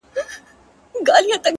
• په بل اور ده څه پروا د سمندرو,